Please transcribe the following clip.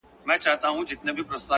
ما مجسمه د بې وفا په غېږ كي ايښې ده”